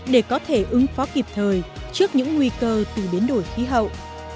để có thể ứng phó kịp thời trước những nguy cơ từ biến đổi khí hậu